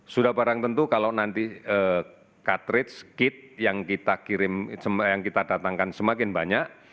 sudah barang tentu kalau nanti cat rate kit yang kita datangkan semakin banyak